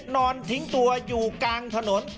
นอนทิ้งตัวอยู่กลางถนน